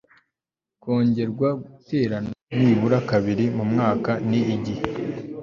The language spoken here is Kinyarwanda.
kongerwa Iterana nibura kabiri mu mwaka n igihe